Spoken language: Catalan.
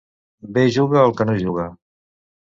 Bé juga el que no juga.